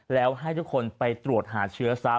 แล้วให้ทุกคนไปตรวจหาเชื้อซ้ำ